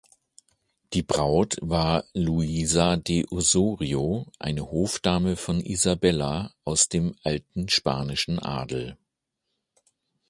Die Braut war Luisa de Osorio, eine Hofdame von Isabella, aus altem spanischem Adel.